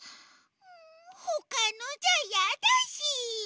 ほかのじゃいやだし。